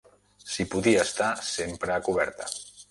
S'hi podia estar sempre a coberta.